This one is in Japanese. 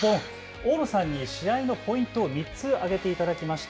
大野さんに試合のポイントを３つ挙げてもらいました。